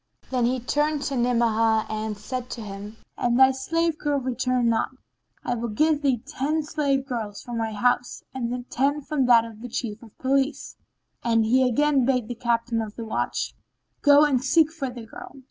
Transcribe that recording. Then he turned to Ni'amah and said to him, "And thy slave girl return not, I will give thee ten slave girls from my house and ten from that of the Chief of Police." And he again bade the Captain of the Watch, "Go and seek for the girl."